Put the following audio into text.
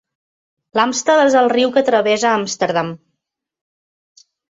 L'Amstel és el riu que travessa Amsterdam.